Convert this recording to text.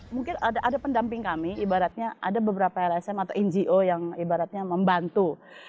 mungkin ada pendamping kami ibaratnya ada beberapa lsm atau ngo yang ibaratnya membantu